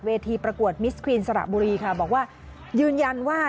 ทีประกวดมิสครีนสระบุรีค่ะบอกว่ายืนยันว่า